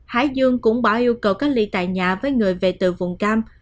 hải dương cũng bỏ yêu cầu cách ly tại nhà với người về từ vùng cam